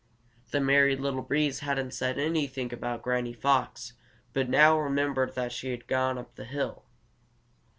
The Merry Little Breeze hadn't said anything about Granny Fox, but now remembered that she had gone up the hill.